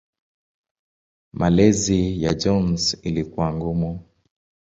Malezi ya Jones ilikuwa ngumu.